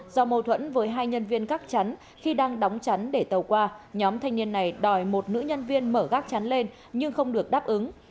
do mâu thuẫn với hai nhân viên gác chắn khi đang đóng chắn để tàu qua nhóm thanh niên này đòi một nữ nhân viên mở gác chắn lên nhưng không được đáp ứng